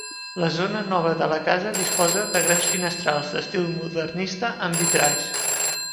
La zona nova de la casa disposa de grans finestrals d'estil modernista amb vitralls.